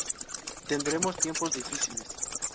Tendremos tiempos difíciles.